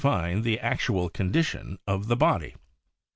fine the actual condition of the body.